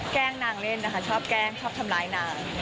แกล้งนางเล่นนะคะชอบแกล้งชอบทำร้ายนาง